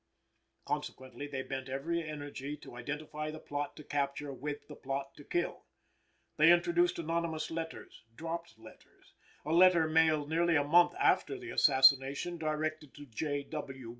Consequently, they bent every energy to identify the plot to capture with the plot to kill. They introduced anonymous letters, dropped letters; a letter mailed nearly a month after the assassination directed to J.